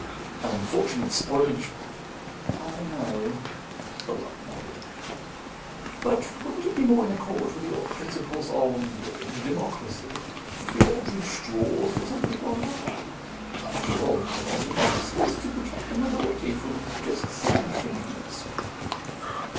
An unfortunate spoilage " "I know." The wub nodded. "But wouldn't it be more in accord with your principles of democracy if we all drew straws, or something along that line? After all, democracy is to protect the minority from just such infringements.